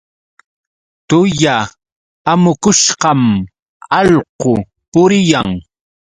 Tulla amukushqam allqu puriyan.